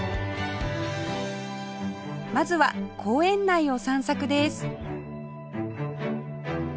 まずは公園内を散策です